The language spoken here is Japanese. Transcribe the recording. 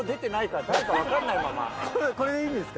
これでいいんですか？